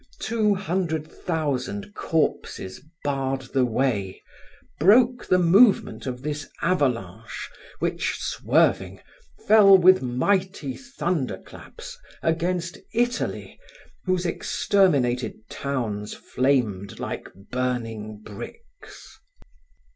Two hundred thousand corpses barred the way, broke the movement of this avalanche which, swerving, fell with mighty thunderclaps, against Italy whose exterminated towns flamed like burning bricks.